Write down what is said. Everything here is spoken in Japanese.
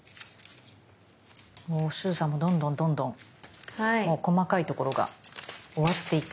もうすずさんもどんどんどんどん細かいところが終わっていく。